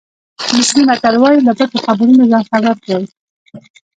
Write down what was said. مصري متل وایي له پټو خطرونو ځان خبر کړئ.